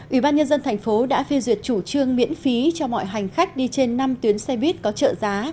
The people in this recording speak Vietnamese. ủy ban nhân dân thành phố đã phê duyệt chủ trương miễn phí cho mọi hành khách đi trên năm tuyến xe buýt có trợ giá